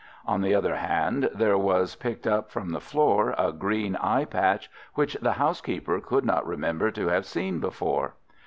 On the other hand, there was picked up from the floor a green eye patch, which the housekeeper could not remember to have seen before.